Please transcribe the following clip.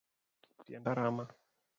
Tienda rama